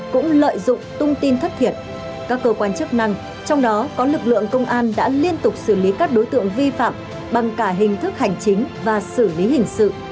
các cơ quan chức năng trong đó có lực lượng công an đã liên tục xử lý các đối tượng vi phạm bằng cả hình thức hành chính và xử lý hình sự